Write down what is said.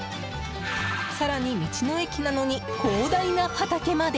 更に、道の駅なのに広大な畑まで。